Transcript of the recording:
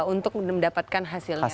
untuk mendapatkan hasilnya